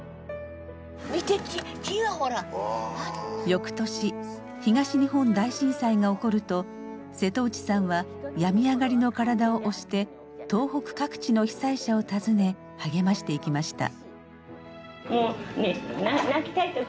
翌年東日本大震災が起こると瀬戸内さんは病み上がりの体を押して東北各地の被災者を訪ね励ましていきました。